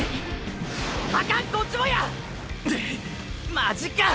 マジか！！